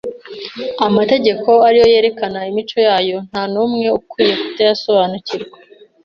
Amategeko, ari yo yerekana imico yayo, nta n’umwe ukwiye kutayasobanukirwa.